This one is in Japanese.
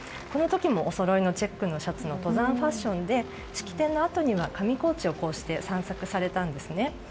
この時もおそろいのチェックのシャツの登山ファッションで式典のあとには上高地を散策されたんですね。